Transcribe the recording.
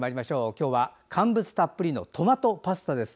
今日は乾物たっぷりのトマトパスタです。